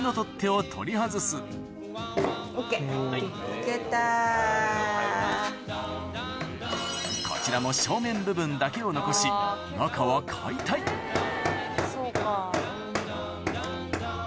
さらにこちらも正面部分だけを残し中は解体そうか。